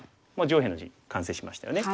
上辺の地完成しましたよね。